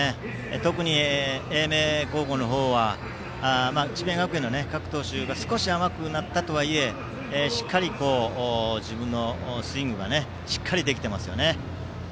特に英明高校は智弁学園の各投手が少し甘くなったとはいえしっかり自分のスイングができていますね。